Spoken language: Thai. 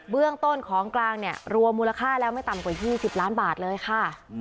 เรื่องต้นของกลางเนี่ยรวมมูลค่าแล้วไม่ต่ำกว่า๒๐ล้านบาทเลยค่ะ